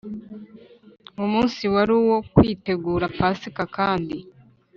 Uwo munsi wari uwo kwitegura Pasika kandi